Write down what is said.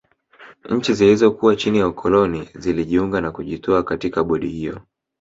Nchi zilizokuwa chini ya ukoloni zilijiunga na kujitoa katika bodi hiyo